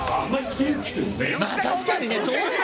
確かにね。